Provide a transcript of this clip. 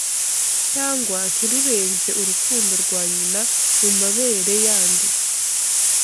Cyangwa ntirurenze urukundo rwa nyina mumabere yandi